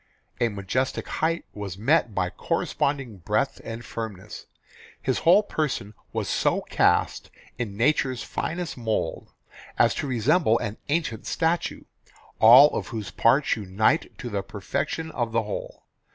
A majestic height was met by corresponding breadth and firmness. His whole person was so cast in nature's finest mould as to resemble an ancient statue, all of whose parts unite to the perfection of the whole.